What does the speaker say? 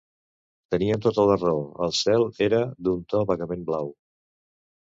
Tenien tota la raó; el cel era d'un to vagament blau